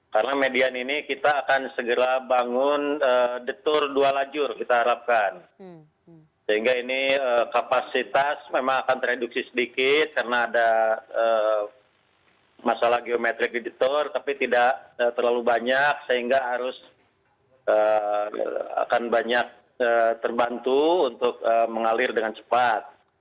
karena median ini kita akan segera bangun detur dua lajur kita harapkan sehingga ini kapasitas memang akan tereduksi sedikit karena ada masalah geometrik di detur tapi tidak terlalu banyak sehingga harus akan banyak terbantu untuk mengalir dengan cepat